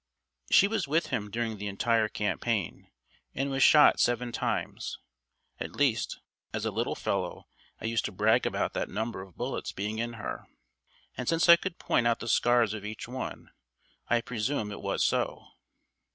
She was with him during the entire campaign, and was shot seven times; at least, as a little fellow I used to brag about that number of bullets being in her, and since I could point out the scars of each one, I presume it was so.